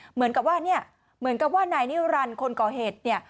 เหมือนกับว่าเนี่ยเหมือนกับว่านายนิรันดิ์คนก่อเหตุเนี่ย